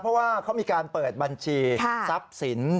เพราะว่าเขามีการเปิดบัญชีทรัพย์สิน